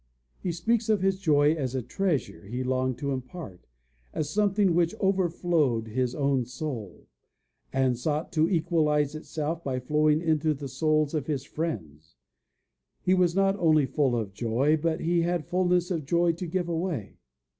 He speaks of his joy as a treasure he longed to impart as something which overflowed his own soul, and sought to equalize itself by flowing into the souls of his friends. He was not only full of joy, but he had fullness of joy to give away.